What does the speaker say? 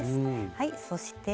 はいそして糸。